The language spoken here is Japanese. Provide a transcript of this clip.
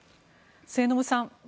末延さん